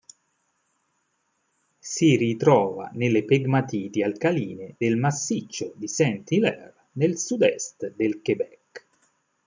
Si ritrova nelle pegmatiti alcaline del massiccio di St. Hilaire nel sud-est del Québec.